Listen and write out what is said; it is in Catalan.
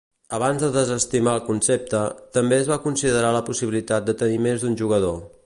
Abans de desestimar el concepte, també es va considerar la possibilitat de tenir més d'un jugador.